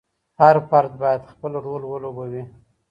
هر فرد باید خپل رول ولوبوي.